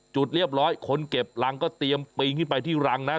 จุดเรียบร้อยคนเก็บรังก็เตรียมปีนขึ้นไปที่รังนะ